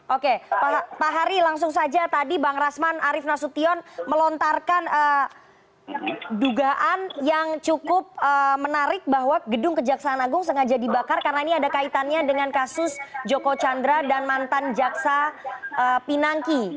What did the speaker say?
oke pak hari langsung saja tadi bang rasman arief nasution melontarkan dugaan yang cukup menarik bahwa gedung kejaksaan agung sengaja dibakar karena ini ada kaitannya dengan kasus joko chandra dan mantan jaksa pinangki